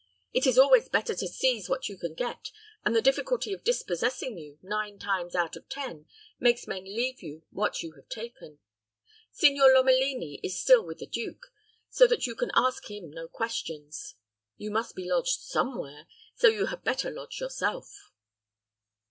It is always better to seize what you can get, and the difficulty of dispossessing you, nine times out of ten, makes men leave you what you have taken. Signor Lomelini is still with the duke; so that you can ask him no questions. You must be lodged some where, so you had better lodge yourself."